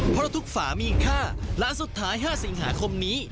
เพราะทุกฝามีค่าร้านสุดท้าย๕สิงหาคมนี้